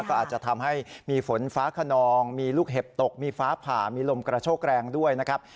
ก็อาจจะทำให้มีฝนฟ้าขนองมีลูกเห็บตกมีฟ้าผ่ามีลมกระโชกแรงด้วยนะครับ